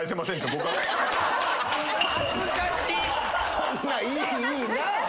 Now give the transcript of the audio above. そんないいな。